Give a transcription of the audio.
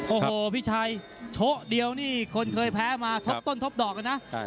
โอ้โหพี่ชัยโช๊เดียวนี่คนเคยแพ้มาทบต้นทบดอกเลยนะ